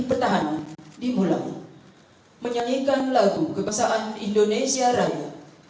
bermula seluruh bangsa indonesia raya